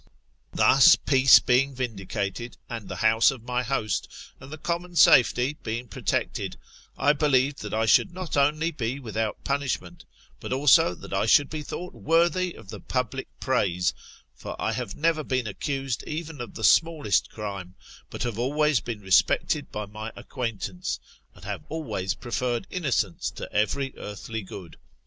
Thus peace being vindicated, and the house of my host, and the common safety^ being protected, I believed that I should not only be without punishment, but also that I should be thought worthy of the public praise ; for I have never been accused even of the smallest crime, but have always been respected by my acquaintance, and have always preferred innocence to every earthly good.